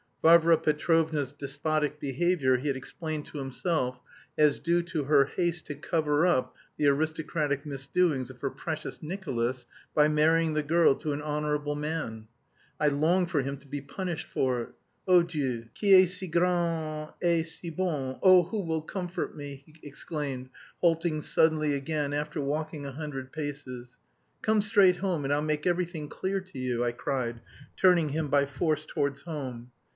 Varvara Petrovna's despotic behaviour he had explained to himself as due to her haste to cover up the aristocratic misdoings of her precious "Nicolas" by marrying the girl to an honourable man! I longed for him to be punished for it. "Oh, Dieu, qui est si grand et si bon! Oh, who will comfort me!" he exclaimed, halting suddenly again, after walking a hundred paces. "Come straight home and I'll make everything clear to you," I cried, turning him by force towards home.